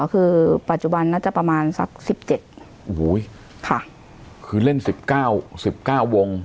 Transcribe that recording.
คือปัจจุบันน่าจะประมาณสักสิบเจ็ดโอ้โหค่ะคือเล่นสิบเก้าสิบเก้าวง